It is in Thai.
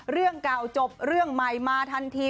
เรื่องเก่าจบเรื่องใหม่มาทันที